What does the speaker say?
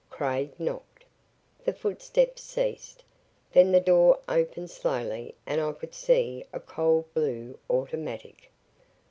Craig knocked. The footsteps ceased. Then the door opened slowly and I could see a cold blue automatic.